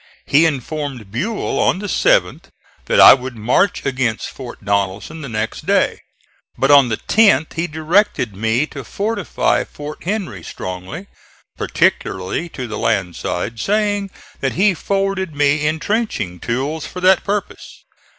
He informed Buell on the 7th that I would march against Fort Donelson the next day; but on the 10th he directed me to fortify Fort Henry strongly, particularly to the land side, saying that he forwarded me intrenching tools for that purpose.